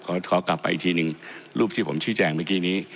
ขอกลับไปอีกทีนึงรูปที่ผมชี้แจงเมื่อกี้นี้